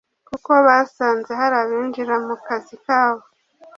kuko basanze hari abinjira mu kazi kabo